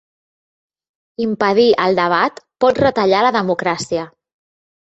Impedir el debat pot retallar la democràcia